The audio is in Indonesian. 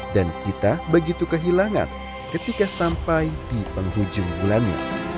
dan kita begitu kehilangan ketika sampai di penghujung bulan ini